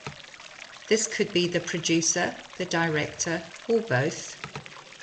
This could be the producer, the director, or both.